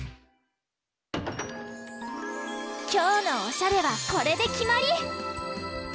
きょうのおしゃれはこれできまり！